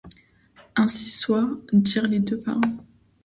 Ainsi soit, dirent les deux parrains.